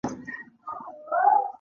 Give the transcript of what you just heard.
هغه د امپراطور سره وکتل.